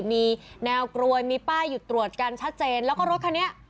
มีแนวกลวยมีป้ายหยุดตรวจกันชัดเจนแล้วก็รถคันนี้